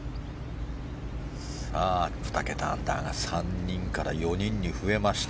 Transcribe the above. ２桁アンダーが３人から４人に増えました。